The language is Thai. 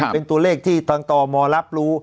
เป็นตัวเลขที่ทางตมรับรู้